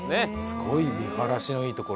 すごい見晴らしのいい所に。